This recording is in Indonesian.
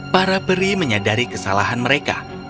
para peri menyadari kesalahan mereka